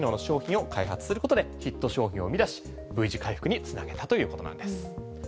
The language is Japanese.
そして商品を開発することでヒット商品を生み出しＶ字回復に繋げたということなんです。